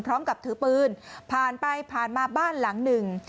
พร้อมกับถือปืนผ่านไปผ่านมาบ้านหลังหนึ่ง